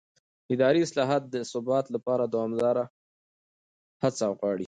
اداري اصلاحات د ثبات لپاره دوامداره هڅه غواړي